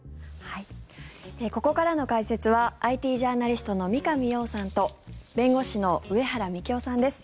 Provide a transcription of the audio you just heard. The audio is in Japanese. ここからの解説はＩＴジャーナリストの三上洋さんと弁護士の上原幹男さんです。